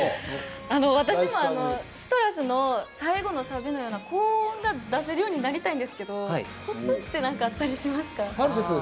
私も『ＣＩＴＲＵＳ』の最後のサビの高音が出せるようになりたいんですけれどもコツってあったりしますか？